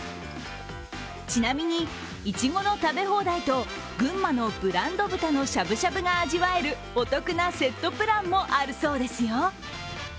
ちなみに、いちごの食べ放題と群馬のブランド豚のしゃぶしゃぶが味わえるお得なセットプランもあるそうですよ。